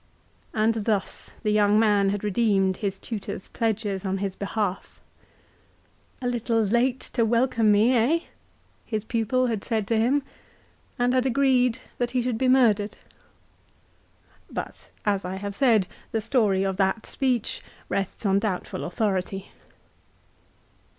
l And thus the young man had redeemed his tutor's pledges on his behalf !" A little late to welcome me, eh ?" his pupil had said to him, an 1 Phil. 4, ca. xviii. u 2 292 LIFE OF CICERO. had agreed that he should be murdered. But, as I have said, the story of that speech rests on doubtful authority.